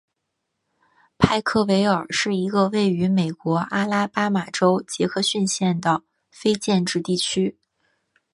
派克维尔是一个位于美国阿拉巴马州杰克逊县的非建制地区。